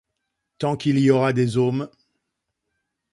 Tant qu'il y aura des ohms!